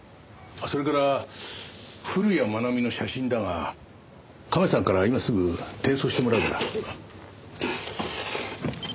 それから古谷愛美の写真だがカメさんから今すぐ転送してもらうから。